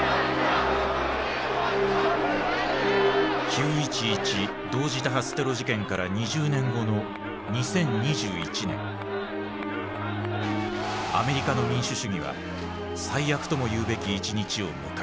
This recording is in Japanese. ９．１１同時多発テロ事件から２０年後の２０２１年アメリカの民主主義は最悪ともいうべき一日を迎える。